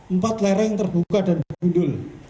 empat lereng terbuka dan gundul